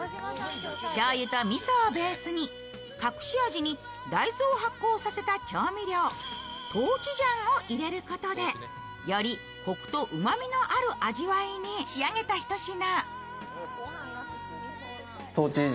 しょうゆとみそをベースに隠し味に大豆を発酵させた調味料、トウチジャンを入れることでよりこくとうまみのある味わいに仕上げたひと品。